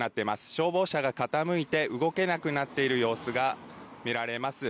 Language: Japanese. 消防車が傾いて、動けなくなっている様子が見られます。